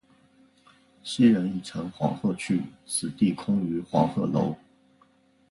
昔人已乘黄鹤去，此地空余黄鹤楼。